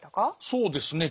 そうですね